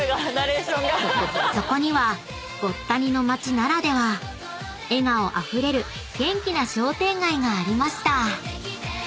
［そこにはごった煮の街ならでは笑顔あふれる元気な商店街がありました］